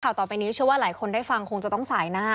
ต่อไปนี้เชื่อว่าหลายคนได้ฟังคงจะต้องสายหน้า